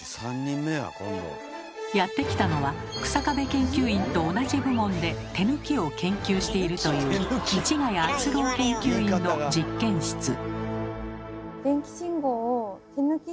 やって来たのは日下部研究員と同じ部門で「手抜き」を研究しているという市ヶ谷敦郎研究員の実験室。